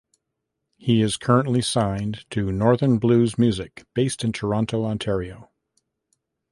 He is currently signed to NorthernBlues Music, based in Toronto, Ontario.